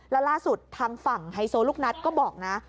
แล้วล่าสุดทางฝั่งไฮโซลูกนัดก็บอกนะ